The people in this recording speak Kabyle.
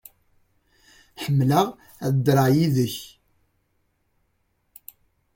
Ḥemmleɣ ad ddreɣ yid-k.